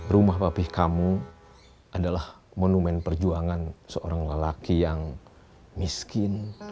rumah papih kamu adalah monumen perjuangan seorang lelaki yang miskin